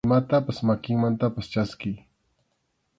Imatapas makinmantapas chaskiy.